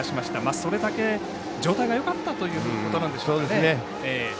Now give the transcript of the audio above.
それだけ状態がよかったということなんですかね。